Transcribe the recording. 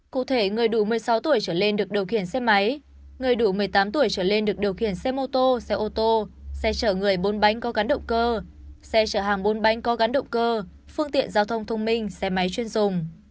cụ thể người đủ một mươi sáu tuổi trở lên được điều khiển xe máy người đủ một mươi tám tuổi trở lên được điều khiển xe mô tô xe ô tô xe chở người bốn bánh có gắn động cơ xe chở hàng bốn bánh có gắn động cơ phương tiện giao thông thông minh xe máy chuyên dùng